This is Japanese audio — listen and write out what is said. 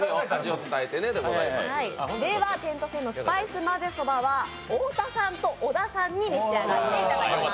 では点と線．のスパイスまぜそばは太田さんと小田さんに召し上がっていただきます。